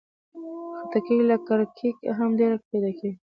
خټکی له کرکيله هم ډېر پیدا کېږي.